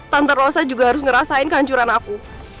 tante rosa juga harus ngerasain kehancuran aku